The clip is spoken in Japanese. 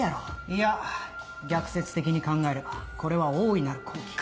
いや逆説的に考えればこれは大いなる好機。